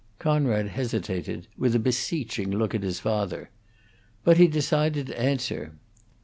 Conrad hesitated, with a beseeching look at his father. But he decided to answer.